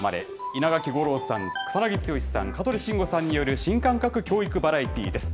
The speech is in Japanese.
稲垣吾郎さん、草なぎ剛さん、香取慎吾さんによる新感覚教育バラエティーです。